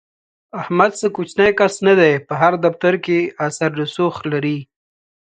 احمد څه کوچنی کس نه دی، په هر دفتر کې اثر رسوخ لري.